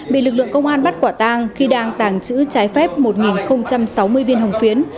bị lực lượng công an bắt quả tang khi đang tàng trữ trái phép một sáu mươi viên hồng phiến